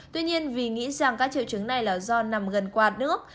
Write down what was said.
tuy nhiên vì nghĩ rằng các triệu chứng này là do nằm gần quạt nước